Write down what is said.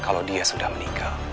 kalau dia sudah meninggal